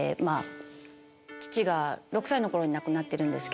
父が６歳の頃に亡くなってるんです。